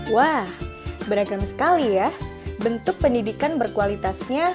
wah beragam sekali ya bentuk pendidikan berkualitasnya